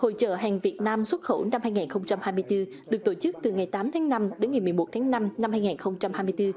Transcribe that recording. hội trợ hàng việt nam xuất khẩu năm hai nghìn hai mươi bốn được tổ chức từ ngày tám tháng năm đến ngày một mươi một tháng năm năm hai nghìn hai mươi bốn